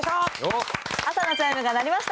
朝のチャイムが鳴りました。